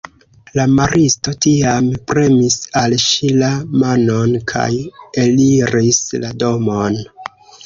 La maristo tiam premis al ŝi la manon kaj eliris la domon.